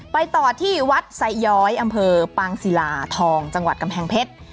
ไปต่อที่วัดไซย้อยอำเภอปางศิลาทองจังหวัดกำแพงเพชร